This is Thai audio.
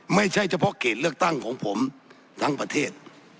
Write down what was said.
ไม่ใช่เฉพาะเขตเลือกตั้งของผมทั้งประเทศ